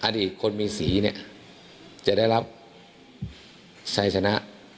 อดีตคนมีสีจะได้รับชัยชนะ